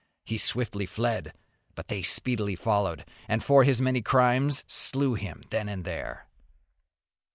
He swiftly fled, but they speedily followed, and for his many crimes slew him then and there.